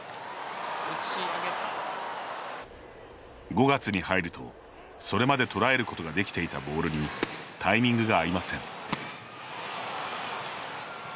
５月に入ると、それまで捉えることができていたボールにタイミングが合いません。